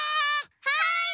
はい！